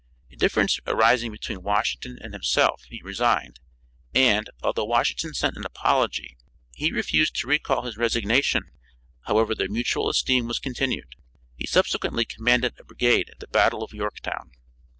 A difference arising between Washington and himself he resigned and, although Washington sent an apology, he refused to recall his resignation however their mutual esteem was continued. He subsequently commanded a brigade at the battle of Yorktown.